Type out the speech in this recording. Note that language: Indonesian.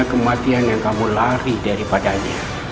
setelah kamu ter cosmalkan